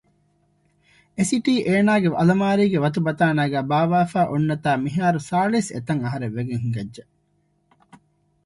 އެ ސިޓީ އޭނާގެ އަލަމާރީގެ ވަތުބަތާނައިގައި ބާއްވާފައި އޮންނަތާ މިހާރު ސާޅިސް އެތައް އަހަރެއް ވެގެން ހިނގައްޖެ